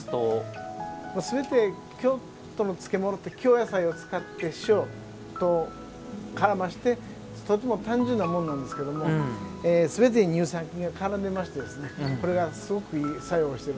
すべて、京都の漬物って京野菜を使って塩と、からましてとても単純なものなんですけどすべてに乳酸菌がからんでいましてこれがすごくいい作用をしている。